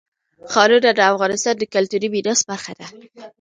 ښارونه د افغانستان د کلتوري میراث برخه ده.